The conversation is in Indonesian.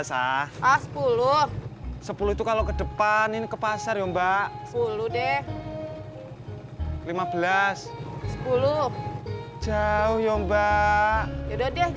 berapa bang dua puluh biasa sepuluh sepuluh itu kalau kedepan ini ke pasar mbak sepuluh deh lima belas sepuluh jauh yomba udah deh